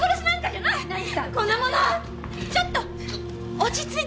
ちょっと落ち着いて。